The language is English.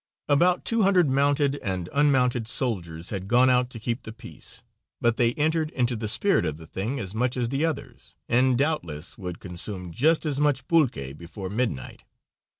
About 200 mounted and unmounted soldiers had gone out to keep the peace, but they entered into the spirit of the thing as much as the others, and doubtless would consume just as much pulque before midnight.